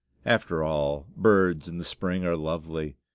After all, birds in the spring are lovely.